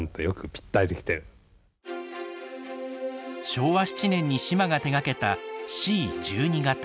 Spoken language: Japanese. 昭和７年に島が手がけたＣ１２形。